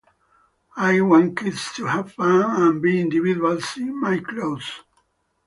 I want kids to have fun and be individuals in my clothes.